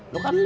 gak ada sih